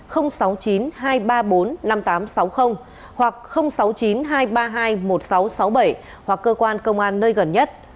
hoặc sáu mươi chín hai trăm ba mươi hai một nghìn sáu trăm sáu mươi bảy hoặc cơ quan công an nơi gần nhất